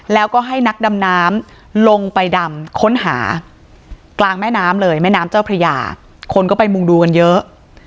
แล้วก็ให้นักดำน้ำลงไปดำค้นหากลางแม่น้ำเลยแม่น้ำเจ้าพระยาคนก็ไปมุงดูกันเยอะ